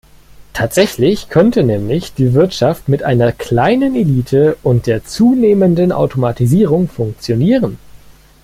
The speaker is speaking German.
Tatsächlich könnte nämlich die Wirtschaft mit einer kleinen Elite und der zunehmenden Automatisierung funktionieren.